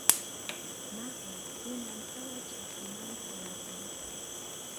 Magda, kunan tawa chakimanta lat'ay.